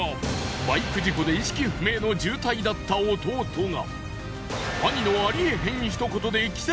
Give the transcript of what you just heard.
バイク事故で意識不明の重体だった弟が。